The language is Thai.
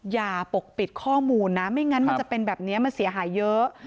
อย่าปกปิดข้อมูลนะไม่งั้นมันจะเป็นแบบนี้มันเสียหายเยอะ